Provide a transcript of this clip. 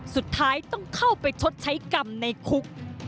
สุดท้ายต้องเข้าไปชดใช้กรรมในคุก